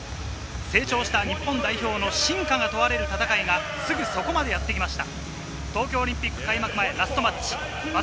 成長した日本代表の進化が問われる戦いがすぐそこまでやってきました。